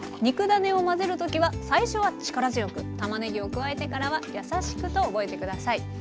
肉ダネを混ぜる時は最初は力強くたまねぎを加えてからはやさしくと覚えて下さい。